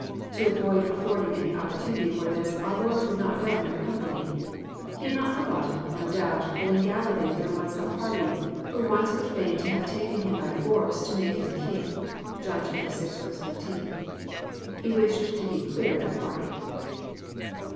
To avoid affording any opportunity for this, our Lord would not go in their company. He had not forgotten, no doubt, that in Galilee there was ^a party who once would fain have taken Him by force to make Him a king." (John vi. 15.) He wished to keep clear of that party.